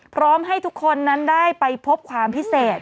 พร้อมให้ทุกคนนั้นได้ไปพบความพิเศษ